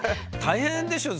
大変でしょ？